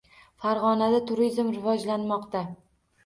Farg‘onada turizm rivojlanmoqda